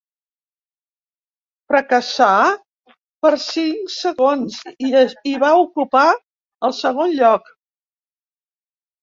Fracassà per cinc segons i va ocupar el segon lloc.